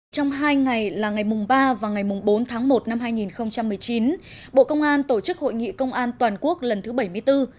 trong hai ngày là ngày ba và ngày bốn tháng một năm hai nghìn một mươi chín bộ công an tổ chức hội nghị công an toàn quốc lần thứ bảy mươi bốn